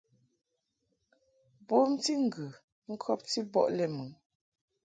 Bomti ŋgə ŋkɔbti bɔ lɛ mɨ.